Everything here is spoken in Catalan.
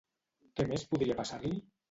Què més podria passar-li?